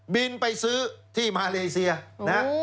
บินไปซื้อที่มาเลเซียนะฮะ